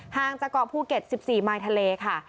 ห่างจากเกาะภูเก็ต๑๔มายทะเลค่ะ